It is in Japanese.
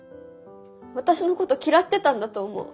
私のこと嫌ってたんだと思う。